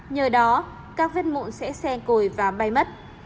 nhờ đó các vết mụn sẽ xe cồi và bay mất